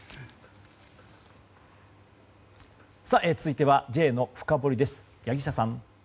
続いてはＪのフカボリです。